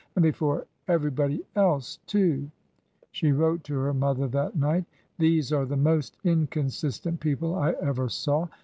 " And before every body else too !" She wrote to her mother that night. " These are the most inconsistent people I ever saw.